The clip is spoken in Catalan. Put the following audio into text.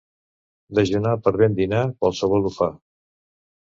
Dejunar per ben dinar, qualsevol ho fa.